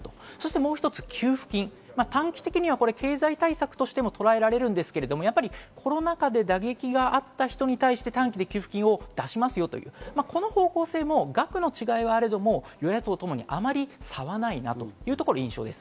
もう一つ給付金、短期的には経済対策としてもとらえられますが、コロナ禍で打撃があった人に対して短期で給付金を出しますというこの方向性も額の違いはあれど与野党ともあまり差はないです。